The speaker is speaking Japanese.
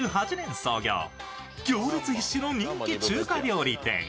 昭和２８年創業、行列必至の中華料理店。